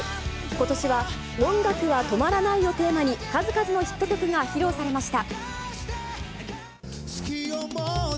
ことしは、音楽は止まらないをテーマに、数々のヒット曲が披露されました。